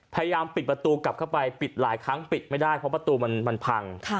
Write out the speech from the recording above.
พยายามปิดประตูกลับเข้าไปปิดหลายครั้งปิดไม่ได้เพราะประตูมันพัง